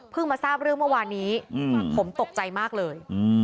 มาทราบเรื่องเมื่อวานนี้ผมตกใจมากเลย